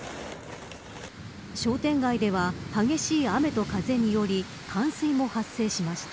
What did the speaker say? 商店街では激しい雨と風により冠水も発生しました。